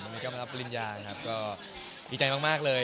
วันนี้ก็มารับปริญญานะครับก็ดีใจมากเลย